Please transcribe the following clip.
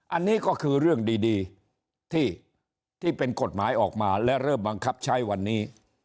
อันนี้ก็คือเรื่องดีที่เป็นกฎหมายออกมาและเริ่มบังคับใช้วันนี้